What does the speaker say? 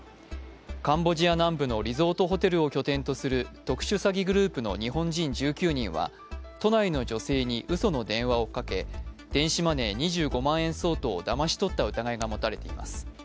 カンボジア南部のリゾートホテルを拠点とする特殊詐欺グループの日本人１９人は都内の女性にうその電話をかけ電子マネー２５万円相当をだまし取った疑いが持たれています。